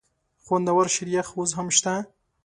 خوندور شریخ اوس هم شته؟